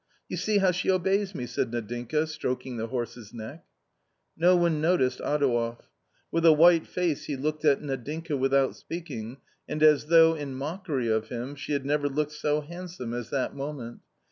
" You see how she obeys me !" said Nadinka, stroking the horse's neck. No one noticed Adouev. With a white face he looked at Nadinka without speaking, and as though in mockery of him, she had never looked so handsome as that moment.